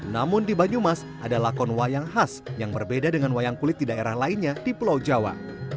namun di banyumas ada lakon wayang khas yang berbeda dengan wayang kulit di daerah lainnya di pulau jawa